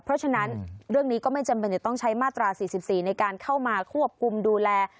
เพราะฉะนั้นเรื่องนี้ก็ไม่จำเป็นจะต้องใช้มาตรา๔๔ในการเข้ามาควบคุมดูแล